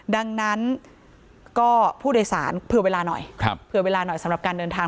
ดังนั้นก็ผู้โดยสารเผื่อเวลาหน่อยเผื่อเวลาหน่อยสำหรับการเดินทาง